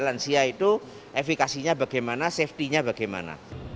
lansia itu efekasinya bagaimana safety nya bagaimana